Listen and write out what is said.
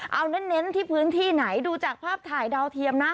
เอาเน้นที่พื้นที่ไหนดูจากภาพถ่ายดาวเทียมนะ